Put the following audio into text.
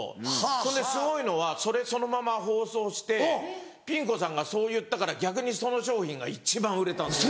そんですごいのはそれそのまま放送してピン子さんがそう言ったから逆にその商品が一番売れたんですよ。